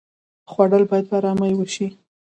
خوړل باید په آرامۍ وشي